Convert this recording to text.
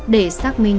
để xác minh